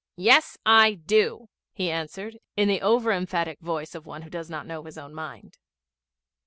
'Yes, I do,' he answered, in the over emphatic voice of one who does not know his own mind.